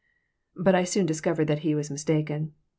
But I soon discovered that he was mistaken.